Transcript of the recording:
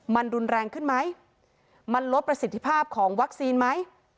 มันรุนแรงขึ้นไหมมันลดประสิทธิภาพของวัคซีนไหม